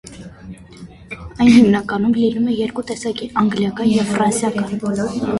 Այն հիմնականում լինում է երկու տեսակի՝ անգլիական և ֆրանսիական։